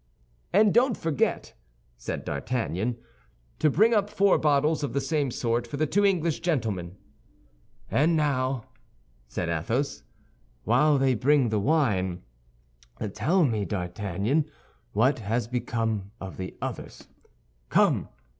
"And don't forget," said D'Artagnan, "to bring up four bottles of the same sort for the two English gentlemen." "And now," said Athos, "while they bring the wine, tell me, D'Artagnan, what has become of the others, come!"